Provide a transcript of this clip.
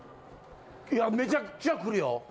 いやめちゃくちゃくるよ。